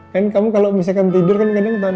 kan kamu kalau misalkan tidur kan kadang